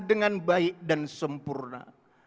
dengan baik dan sempurna